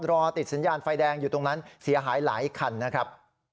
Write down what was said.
รอติดสัญญาณไฟแดงอยู่ตรงนั้นเสียหายหลายคันนะครับ